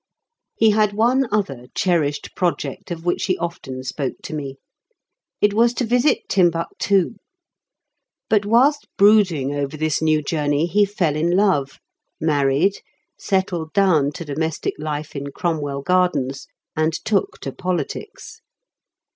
He had one other cherished project of which he often spoke to me. It was to visit Timbuctoo. But whilst brooding over this new journey he fell in love, married, settled down to domestic life in Cromwell Gardens, and took to politics.